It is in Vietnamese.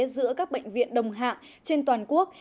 giữa các bệnh viện đồng hạng trên toàn quốc